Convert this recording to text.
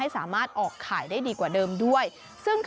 ไก่สามารถออกขายได้ถึงวันละ๖๐๐ฟองค่ะ